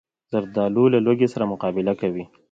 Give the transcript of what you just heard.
زردالو له لوږې سره مقابله کوي.